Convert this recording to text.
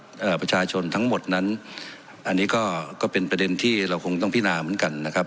เอ่อประชาชนทั้งหมดนั้นอันนี้ก็ก็เป็นประเด็นที่เราคงต้องพินาเหมือนกันนะครับ